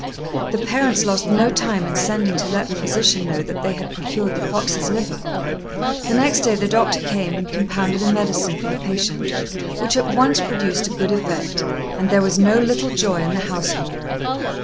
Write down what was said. The parents lost no time in sending to let the physician know that they had procured the fox's liver. The next day the doctor came and compounded a medicine for the patient, which at once produced a good effect, and there was no little joy in the household.